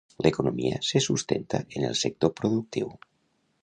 L'economia se sustenta en el sector productiu.